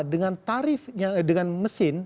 dengan tarifnya dengan mesin